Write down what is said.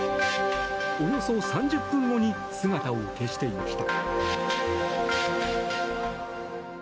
およそ３０分後に姿を消していました。